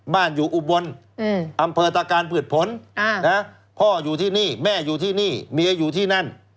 บ้านอยู่อุบลอำเภอตะการผืดผลพ่ออยู่ที่นี่แม่อยู่ที่นี่เมียอยู่ที่นั่น